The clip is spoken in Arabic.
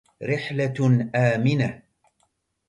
رحلة آمنة